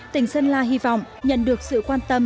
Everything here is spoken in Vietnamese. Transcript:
tỉnh sơn la hy vọng nhận được sự quan tâm